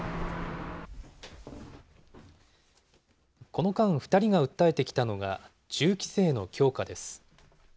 この間、２人が訴えてきたのが、銃規制の強化です。